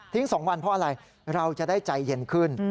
๒วันเพราะอะไรเราจะได้ใจเย็นขึ้น